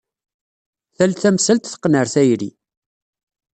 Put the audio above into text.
Tal tamsalt teqqen ɣer tayri.